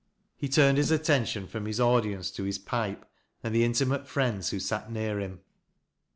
He turned his attention from his audience to his pipe, and the intimate friends who sat near him.